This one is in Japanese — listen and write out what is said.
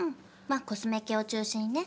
まあコスメ系を中心にね。